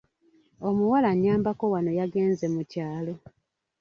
Omuwala anyambako wano yagenze mu kyalo.